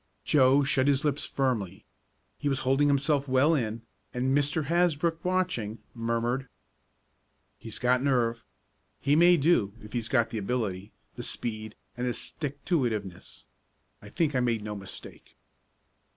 Joe shut his lips firmly. He was holding himself well in, and Mr. Hasbrook, watching, murmured: "He's got nerve. He may do, if he's got the ability, the speed and the stick to it iveness. I think I made no mistake."